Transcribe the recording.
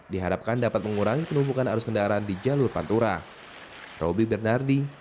diharapkan dapat mengurangi penumpukan arus kendaraan di jalur pantura